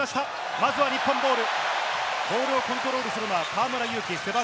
まずは日本ボール。